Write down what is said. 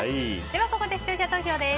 ここで視聴者投票です。